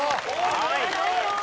はい。